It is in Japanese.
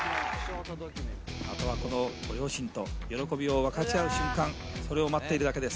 あとはこのご両親と喜びを分かち合う瞬間、それを待っているだけです。